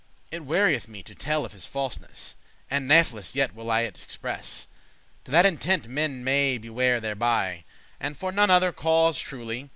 It wearieth me to tell of his falseness; And natheless yet will I it express, To that intent men may beware thereby, And for none other cause truely.